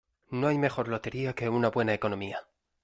No hay mejor lotería que una buena economía.